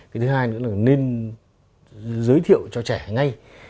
cái thứ hai nữa là nên giới thiệu cho trẻ ngay